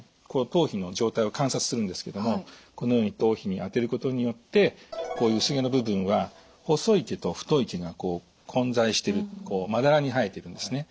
頭皮の状態を観察するんですけどもこのように頭皮に当てることによってこういう薄毛の部分は細い毛と太い毛が混在しているまだらに生えているんですね。